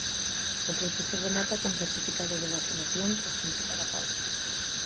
O proceso remata cun certificado de vacinación tras completar a pauta.